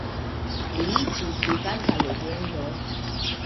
Li iĝis vivanta legendo.